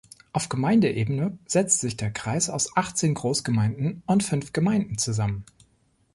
Auf Gemeindeebene setzt sich der Kreis aus achtzehn Großgemeinden und fünf Gemeinden zusammen.